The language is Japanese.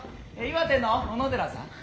岩手の小野寺さん？